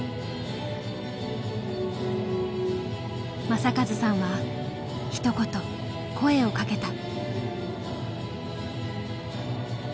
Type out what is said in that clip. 正和さんはひと言声をかけた。